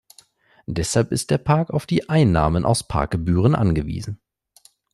Deshalb ist der Park auf die Einnahmen aus Parkgebühren angewiesen.